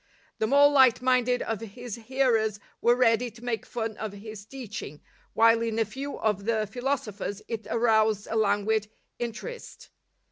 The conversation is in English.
The more light minded of his hearers were ready to make fun of his teaching, while in a few of the philosophers it aroused a languid interest.